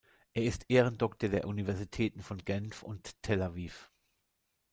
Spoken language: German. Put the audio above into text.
Er ist Ehrendoktor der Universitäten von Genf und Tel-Aviv.